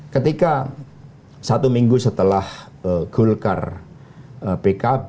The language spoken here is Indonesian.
ketika satu minggu setelah golkar pkb